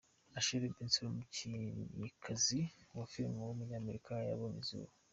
Ashley Benson, umukinnyikazi wa filime w’umunyamerika yabonye izuba.